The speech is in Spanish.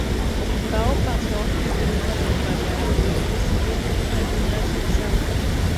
Cao pasó entonces a respaldar a Wu, decidido a enfrentarse a Zhang.